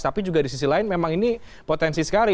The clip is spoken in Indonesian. tapi juga di sisi lain memang ini potensi sekali